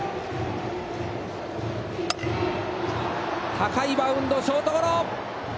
高いバウンドショートゴロ。